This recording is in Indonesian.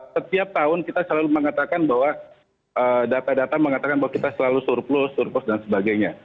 setiap tahun kita selalu mengatakan bahwa data data mengatakan bahwa kita selalu surplus surplus dan sebagainya